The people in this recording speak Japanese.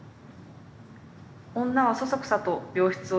「女はそそくさと病室を出る。